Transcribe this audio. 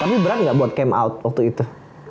tapi berat nggak buat camp out waktu itu